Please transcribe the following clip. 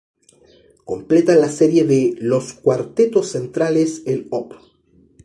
Completan la serie de "los cuartetos centrales" el op.